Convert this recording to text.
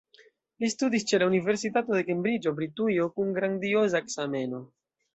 Li studis ĉe la universitato de Kembriĝo, Britujo kun grandioza ekzameno.